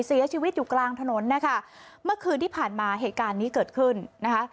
เสียชีวิตอยู่กลางถนนนะคะเมื่อคืนที่ผ่านมาเหตุการณ์นี้เกิดขึ้นนะคะ